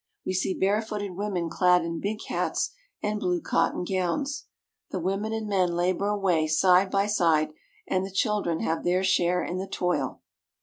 We see barefooted women clad in big hats and blue cotton gowns. The women and men labor away side by side, and the children have their share in the toil.